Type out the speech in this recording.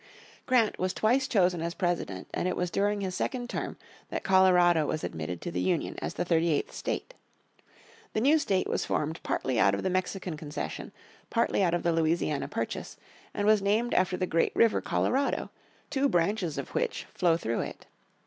Grant was twice chosen as President and it was during his second term that Colorado was admitted to the Union as the thirty eighth state. The new state was formed partly out of the Mexican Concession, partly out of the Louisiana Purchase, and was named after the great river Colorado, two branches of which flow through it.